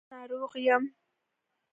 زه ناروغ یم.